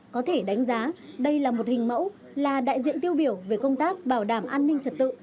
có thể đánh giá đây là một hình mẫu là đại diện tiêu biểu về công tác bảo đảm an ninh trật tự